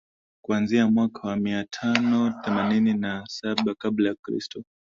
kuanzia mwaka wa mia tano themanini na saba kabla ya kristo